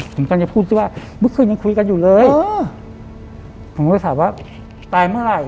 ผมกำลังจะพูดสิว่าเมื่อคืนยังคุยกันอยู่เลยเออผมก็เลยถามว่าตายเมื่อไหร่